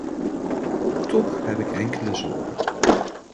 Toch heb ik enkele zorgen.